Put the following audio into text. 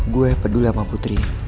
gue peduli sama putri